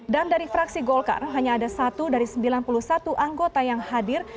dan dari fraksi golkar hanya ada satu dari sembilan puluh satu anggota yang hadir